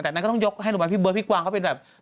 แต่นั่นก็ต้องยกให้รู้ไหมพี่เบิร์ดพี่กวางเขาเป็นแบบ